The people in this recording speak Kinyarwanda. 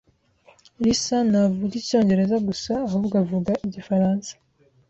Lisa ntavuga Icyongereza gusa ahubwo avuga Igifaransa.